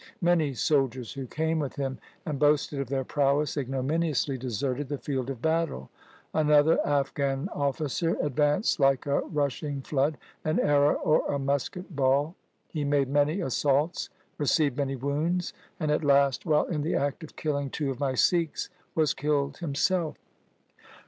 Many soldiers who came with him and boasted of their prowess ignominiously deserted the field of battle. Another Afghan officer ad vanced like a rushing flood, an arrow, or a musket ball. He made many assaults, received many wounds and at last, while in the act of killing two of my Sikhs, was killed himself.